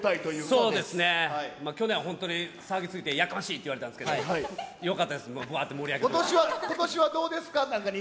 そうですね、去年は本当に騒ぎすぎて、やかましいって言われてたんですけど、よかったです、ぶわーっとことしはどうですか？